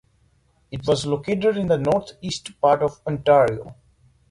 It was located in the northeast part of Ontario.